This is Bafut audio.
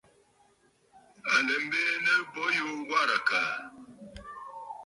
À lɛ biinə bo yu warə̀ àkàà.